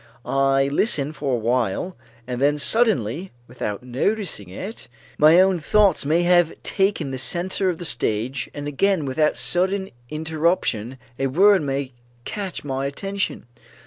I listen for a while, and then suddenly, without noticing it, my own thoughts may have taken the center of the stage and again without sudden interruption a word may catch my attention.